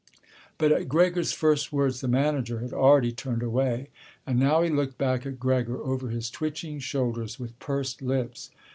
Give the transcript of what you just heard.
But at Gregor's first words the manager had already turned away, and now he looked back at Gregor over his twitching shoulders with pursed lips.